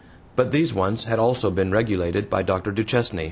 But these wants had also been regulated by Dr. Duchesne.